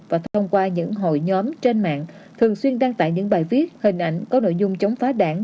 và thông qua những hội nhóm trên mạng thường xuyên đăng tải những bài viết hình ảnh có nội dung chống phá đảng